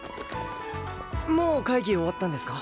もう会議終わったんですか？